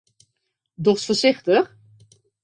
Dochst foarsichtich?